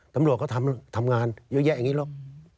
ตำรวจเขาทำงานเยอะแยะอย่างนี้หรอก